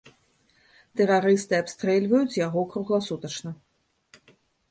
Тэрарысты абстрэльваюць яго кругласутачна.